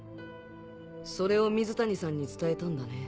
それを水谷さんに伝えたんだね。